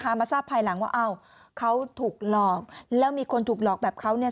มาทราบภายหลังว่าอ้าวเขาถูกหลอกแล้วมีคนถูกหลอกแบบเขาเนี่ย